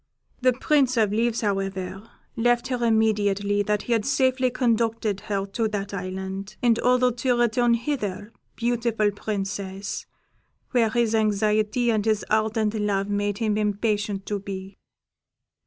The Prince of Leaves, however, left her immediately that he had safely conducted her to that island, in order to return hither, beautiful Princess, where his anxiety and his ardent love made him impatient to be."